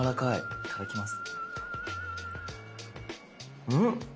いただきます。